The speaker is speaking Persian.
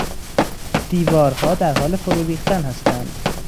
دیوارها در حال فرو ریختن هستند.